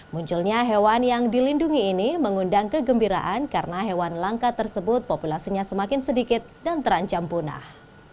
munculnya hewan yang dilindungi ini mengundang kegembiraan karena hewan langka tersebut populasinya semakin sedikit dan terancam punah